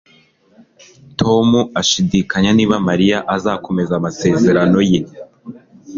Tom ashidikanya niba Mariya azakomeza amasezerano ye